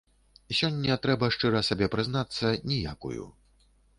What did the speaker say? Сёння, трэба шчыра сабе прызнацца, ніякую.